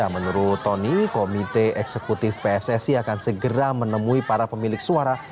menurut tony komite eksekutif pssi akan segera menemui para pemilik suara